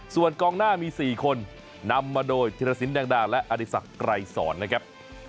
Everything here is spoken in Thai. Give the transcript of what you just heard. ส่วนกองหน้ามี๔คนนำมาโดยธิรสินแดงและอธิษฐกรายสอนนะครับ